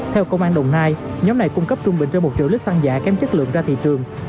theo công an đồng nai nhóm này cung cấp trung bình trên một triệu lít xăng giả kém chất lượng ra thị trường